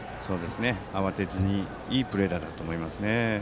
慌てずにいいプレーだったと思いますね。